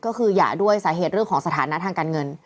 ก็คือหย่าด้วยสาเหตุเรื่องของสถานะทางการเงิน